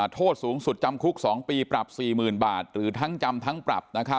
โทษสูงสุดจำคุก๒ปีปรับ๔๐๐๐บาทหรือทั้งจำทั้งปรับ